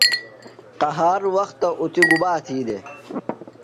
قہار وختہ اُتھیۡ گُبا تھی دےۡ؟